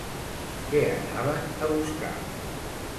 Què anaven a buscar?